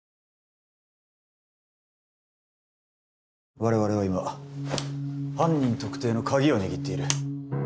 我々は今犯人特定のカギを握っている。